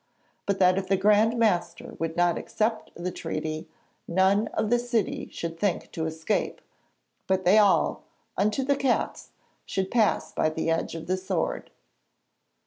But that if the Grand Master would not accept the treaty none of the city should think to escape, but they all, unto the cats, should pass by the edge of the sword.'